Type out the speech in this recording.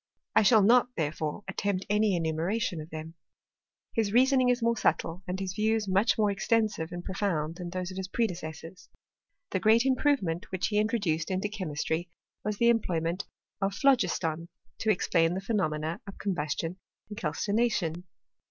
I shall not, therefore, attempt any enumeration of them, His reasoning ii more subtile, and bis views m\ich more extensive and profound than those of his predecessors. The great improvement which he introduced into chemistry was the employment of phloi/Uttm, to explain the phe THEORY IN CHEMISTRY. 257 nomena of combustion and calcination.